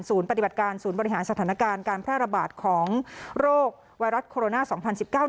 ปฏิบัติการศูนย์บริหารสถานการณ์การแพร่ระบาดของโรคไวรัสโคโรนาสองพันสิบเก้า